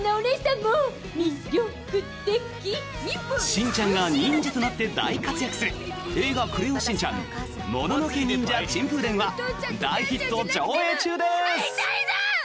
しんちゃんが忍者となって大活躍する「映画クレヨンしんちゃんもののけニンジャ珍風伝」は大ヒット上映中です。